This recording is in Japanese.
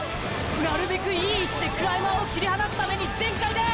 なるべくいい位置でクライマーを切り離すために全開で！！